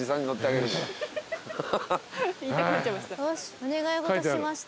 お願い事しました。